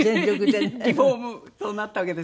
リフォームとなったわけです。